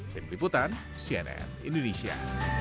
tim liputan cnn indonesia